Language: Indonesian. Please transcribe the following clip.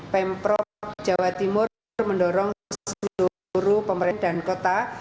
pemprov jawa timur mendorong seluruh pemerintah dan kota